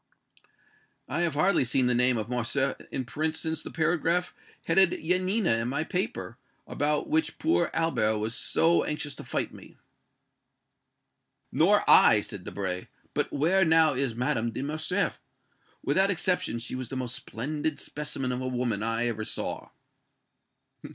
"I have hardly seen the name of Morcerf in print since the paragraph headed 'Yanina' in my paper, about which poor Albert was so anxious to fight me." "Nor I," said Debray. "But where now is Madame de Morcerf? Without exception, she was the most splendid specimen of a woman I ever saw!"